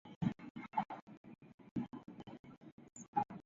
ローストビーフが大好きだ